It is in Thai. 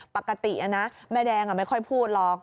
ปกตินะแม่แดงไม่ค่อยพูดหรอก